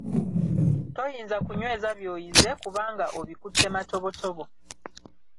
Toyinza kunyweza by'oyize, kubanga obikutte matobotobo.